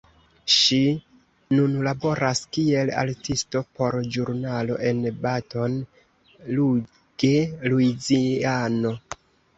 Ŝi nun laboras kiel artisto por ĵurnalo en Baton Rouge, Luiziano.